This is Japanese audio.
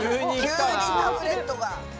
急にタブレットが。